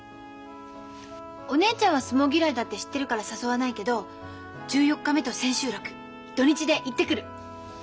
お姉ちゃんは相撲嫌いだって知ってるから誘わないけど１４日目と千秋楽土日で行ってくる。